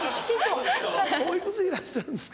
お幾つでいらっしゃるんですか？